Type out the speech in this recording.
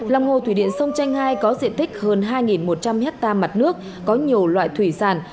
lòng hồ thủy điện sông tranh hai có diện tích hơn hai một trăm linh hectare mặt nước có nhiều loại thủy sản